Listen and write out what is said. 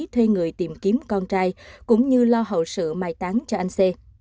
thay người tìm kiếm con trai cũng như lo hậu sự mai tán cho anh c